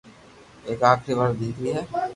ايڪ آخري وارو ديڪرو ھي